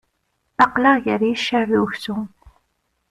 Aql-aɣ ger iccer d uksum.